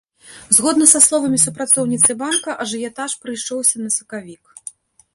Згодна са словамі супрацоўніцы банка, ажыятаж прыйшоўся на сакавік.